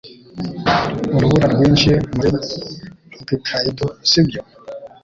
Urubura rwinshi muri Hokkaido, sibyo?